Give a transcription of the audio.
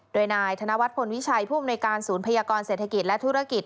โดยนายธนวัฒนพลวิชัยผู้อำนวยการศูนย์พยากรเศรษฐกิจและธุรกิจ